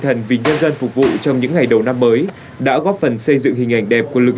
thần vì nhân dân phục vụ trong những ngày đầu năm mới đã góp phần xây dựng hình ảnh đẹp của lực